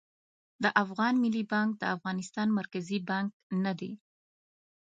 د افغان ملي بانک د افغانستان مرکزي بانک نه دي